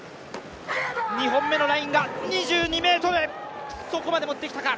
２本目のラインが２２ｍ、そこまで持ってきたか。